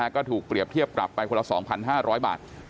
ก็ถูกเปรียบเทียบปรับไปคนละ๒๕๐๐บาท